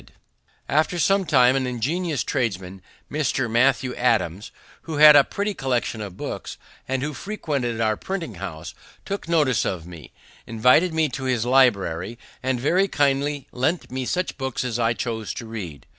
And after some time an ingenious tradesman, Mr. Matthew Adams, who had a pretty collection of books, and who frequented our printing house, took notice of me, invited me to his library, and very kindly lent me such books as I chose to read.